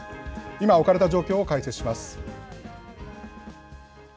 今、置かれた状況を解説します。